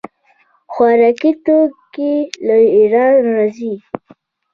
خوراکي توکي له ایران راځي.